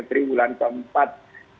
tiga bulan keempat